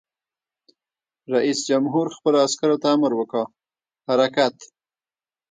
رئیس جمهور خپلو عسکرو ته امر وکړ؛ حرکت!